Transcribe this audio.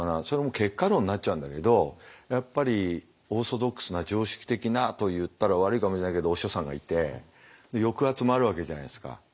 それも結果論になっちゃうんだけどやっぱりオーソドックスな常識的なと言ったら悪いかもしれないけどお師匠さんがいて抑圧もあるわけじゃないですか。